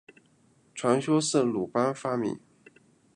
传说是鲁班发明。